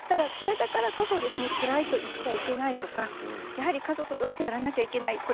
それだからこそ、つらいとか言っちゃいけないとか家族としてやらなきゃいけない